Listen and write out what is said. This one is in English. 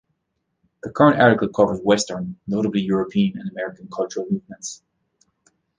This current article covers western, notably European and American cultural movements.